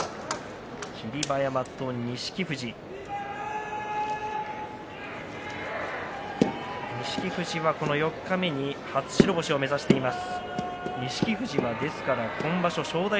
霧馬山と錦富士錦富士、この四日目に初白星を目指しています。